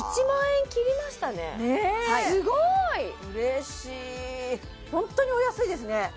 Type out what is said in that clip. １万円切りましたね